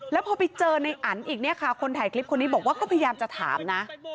แล้วพอไปเจอในอันอีกเนี่ยค่ะคนถ่ายคลิปคนนี้บอกว่าก็พยายามจะถามนะ